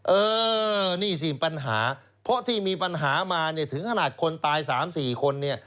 เออนี่สิปัญหาเพราะที่มีปัญหามาถึงขนาดคนตาย๓๔คน